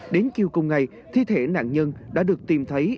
đến chiều cùng ngày thi thể nạn nhân đã được tìm thấy